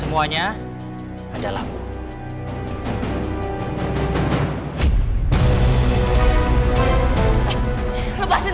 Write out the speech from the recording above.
sekarang yang berhak menentukan semuanya